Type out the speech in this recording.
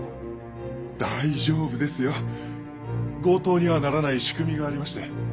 「大丈夫ですよ」「強盗にはならない仕組みがありまして」